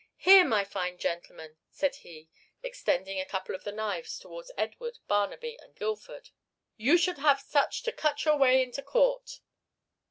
Here, my fine gentlemen," said he, extending a couple of the knives towards Edward, Barnaby, and Guildford, "you should have such to cut your way into court."